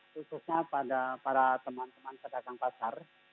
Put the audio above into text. khususnya pada para teman teman pedagang pasar